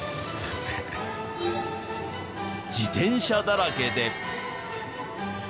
自転車だらけで。